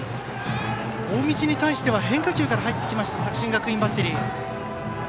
大道に対しては変化球から入ってきた作新学院バッテリー。